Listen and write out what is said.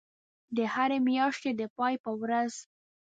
د هری میاشتی د پای په ورځ